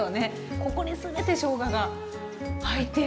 ここに全てしょうがが入ってる。